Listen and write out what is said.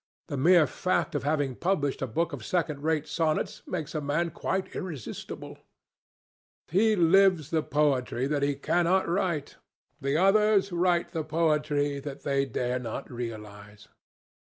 The mere fact of having published a book of second rate sonnets makes a man quite irresistible. He lives the poetry that he cannot write. The others write the poetry that they dare not realize."